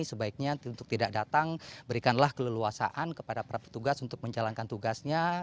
sebaiknya untuk tidak datang berikanlah keleluasaan kepada para petugas untuk menjalankan tugasnya